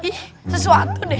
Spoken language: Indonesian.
ih sesuatu deh